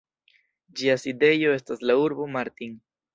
Ĝia sidejo estas la urbo Martin.